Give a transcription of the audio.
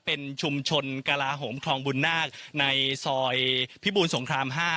เป็นชุมชนกลาโหมคลองบุญนาคในซอยพิบูรสงคราม๕